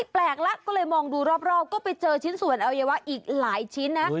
แปลกแล้วก็เลยมองดูรอบก็ไปเจอชิ้นส่วนอวัยวะอีกหลายชิ้นนะ